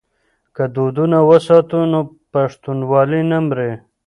که دودونه وساتو نو پښتونوالي نه مري.